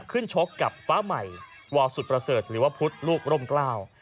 ชกกับฟ้าใหม่วสุดประเสริฐหรือว่าพุทธลูกร่มกล้า